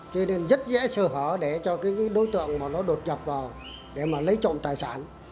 cho nên rất dễ sửa hở để cho đối tượng đột nhập vào để lấy trộm tài sản